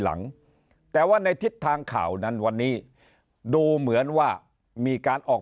หลังแต่ว่าในทิศทางข่าวนั้นวันนี้ดูเหมือนว่ามีการออก